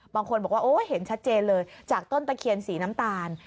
บางคนบอกว่าโอ้เห็นชัดเจนเลยจากต้นตะเคียนสีน้ำตาล